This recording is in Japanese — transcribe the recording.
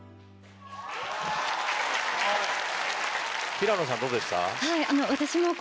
平野さんどうでした？